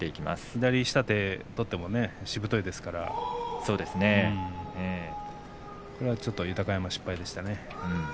左下手を取ってもしぶといですからこれはちょっと豊山失敗でしたね。